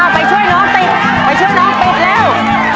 ไปช่วยน้องติดไปช่วยน้องติดเร็ว